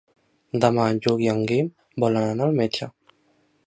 Demà en Lluc i en Guim volen anar al metge.